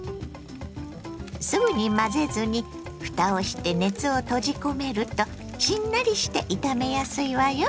すぐに混ぜずにふたをして熱を閉じ込めるとしんなりして炒めやすいわよ。